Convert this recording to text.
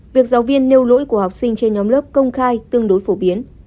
việc giáo viên nêu lỗi của học sinh trên nhóm lớp công khai tương đối phổ biến